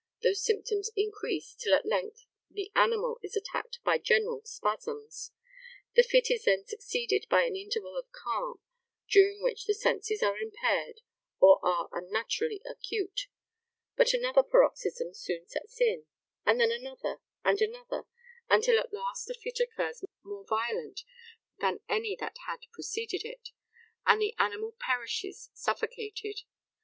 Those symptoms increase, till at length the animal is attacked by general spasms. The fit is then succeeded by an interval of calm, during which the senses are impaired or are unnaturally acute; but another paroxysm soon sets in, and then another and another, until at last a fit occurs more violent than any that had preceded it, and the animal perishes suffocated.